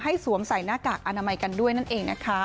สวมใส่หน้ากากอนามัยกันด้วยนั่นเองนะคะ